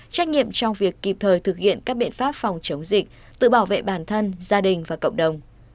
trách nhiệm trong việc kịp thời thực hiện các biện pháp phòng chống dịch tự bảo vệ bản thân gia đình và cộng đồng